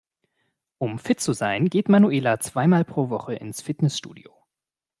Um fit zu sein geht Manuela zwei mal pro Woche ins Fitnessstudio.